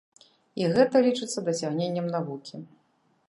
І гэта лічыцца дасягненнем навукі.